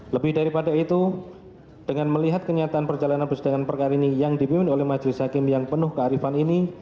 lebih daripada itu dengan melihat kenyataan perjalanan persidangan perkara ini yang dipimpin oleh majelis hakim yang penuh kearifan ini